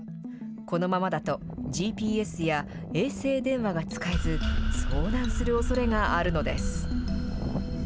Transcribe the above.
このままだと、ＧＰＳや衛星電話が使えず、遭難するおそれがあるのです。